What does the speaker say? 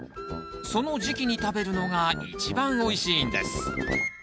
その時期に食べるのが一番おいしいんです